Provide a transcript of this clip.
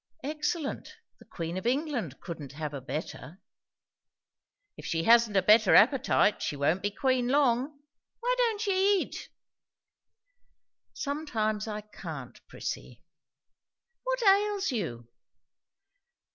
"Excellent! The queen of England couldn't have a better." "If she hasn't a better appetite she won't be queen long. Why don't ye eat?" "Sometimes I can't, Prissy." "What ails you?"